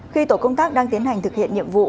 khi tổ công tác đang tiến hành thực hiện nhiệm vụ